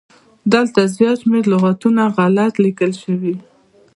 دلته زيات شمېر لغاتونه غلت ليکل شوي